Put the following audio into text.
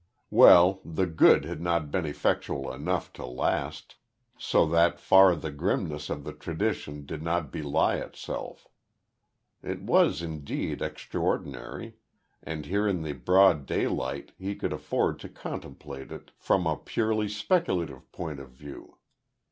Well the "good" had not been effectual enough to last, so that far the grimness of the tradition did not belie itself. It was indeed extraordinary, and here in the broad daylight he could afford to contemplate it from a purely speculative point of view.